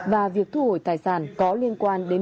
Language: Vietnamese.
và việc thu hồi tài sản có liên quan đến